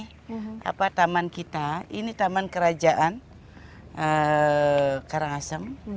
sambut jalan ini taman kita ini taman kerajaan karangasem